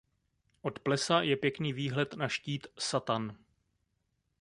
Od plesa je pěkný výhled na štít Satan.